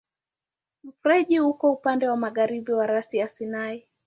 Mfereji uko upande wa magharibi wa rasi ya Sinai.